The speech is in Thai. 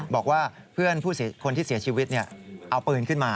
บอกว่าเพื่อนคนที่เสียชีวิตเอาปืนขึ้นมา